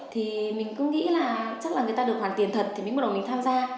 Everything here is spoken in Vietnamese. thì mình cứ nghĩ là chắc là người ta được hoàn tiền thật thì mới bắt đầu mình tham gia